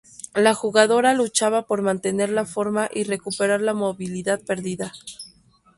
La jugadora luchaba por mantener la forma y recuperar la movilidad perdida.